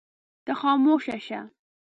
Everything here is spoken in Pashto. ته خاموش شه.